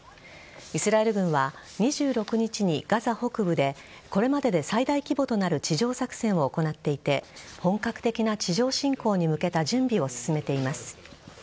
イスラエル軍は２６日にガザ北部でこれまでで最大規模となる地上作戦を行っていて本格的な地上侵攻に向けた準備を進めています。